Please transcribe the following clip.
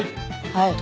はい。